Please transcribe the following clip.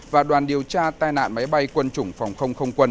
và đoàn điều tra tai nạn máy bay quân chủng phòng không không quân